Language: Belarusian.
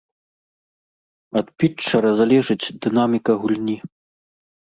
Ад пітчэра залежыць дынаміка гульні.